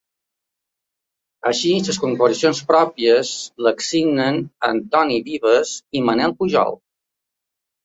Així, les composicions pròpies les signen Antoni Vives i Manel Pujol.